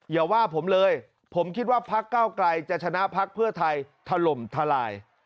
อย่าว่าผมเลยผมคิดว่าพักเก้าไกลจะชนะพักเพื่อไทยถล่มทลาย